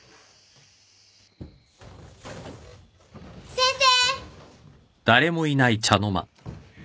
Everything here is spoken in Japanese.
先生！